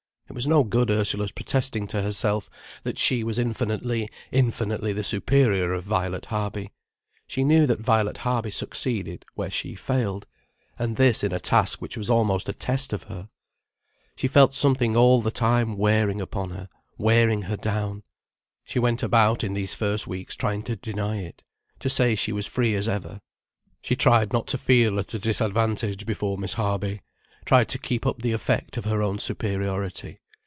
It was no good Ursula's protesting to herself that she was infinitely, infinitely the superior of Violet Harby. She knew that Violet Harby succeeded where she failed, and this in a task which was almost a test of her. She felt something all the time wearing upon her, wearing her down. She went about in these first weeks trying to deny it, to say she was free as ever. She tried not to feel at a disadvantage before Miss Harby, tried to keep up the effect of her own superiority.